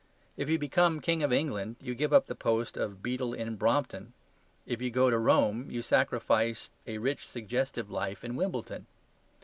If you become King of England, you give up the post of Beadle in Brompton. If you go to Rome, you sacrifice a rich suggestive life in Wimbledon.